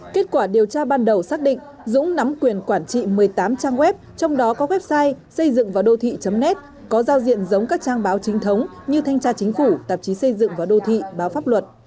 kết quả điều tra ban đầu xác định dũng nắm quyền quản trị một mươi tám trang web trong đó có website xây dựngvàodôthị net có giao diện giống các trang báo chính thống như thanh tra chính phủ tạp chí xây dựng và đô thị báo pháp luật